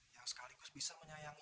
yang sekaligus bisa menyayangi